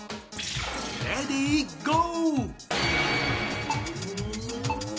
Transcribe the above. レディーゴー！